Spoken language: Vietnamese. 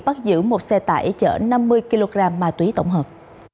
bắt giữ một xe tải chở năm mươi kg ma túy tổng hợp